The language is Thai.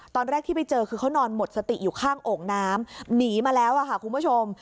ตอนแรกที่ไปเจอคือเขานอนหมดสติอยู่ข้างโอ่งน้ำหนีมาแล้วค่ะคุณผู้ชม